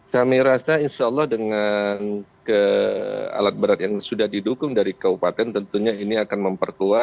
kami rasa insya allah dengan alat berat yang sudah didukung dari kabupaten tentunya ini akan memperkuat